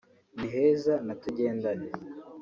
Ni Heza na Tugendane